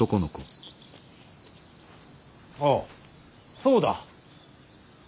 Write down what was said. ああそうだ。